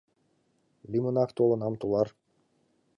— Лӱмынак толынам, тулар.